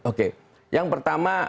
oke yang pertama